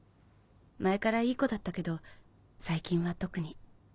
前からいい子だったけど最近は特に。